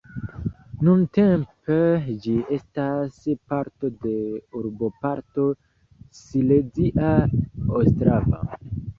Nuntempe ĝi estas parto de urboparto Silezia Ostrava.